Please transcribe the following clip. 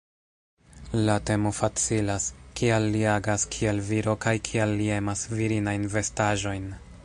La temo facilas: kial li agas kiel viro kaj kial li emas virinajn vestaĵojn?